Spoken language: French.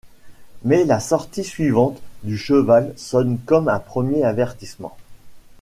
Mais la sortie suivante du cheval sonne comme un premier avertissement.